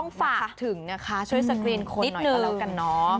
ต้องฝากถึงนะคะช่วยสกรีนคนหน่อยก็แล้วกันเนาะ